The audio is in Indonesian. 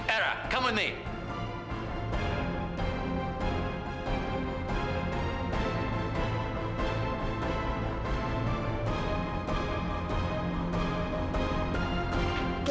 era ikut aku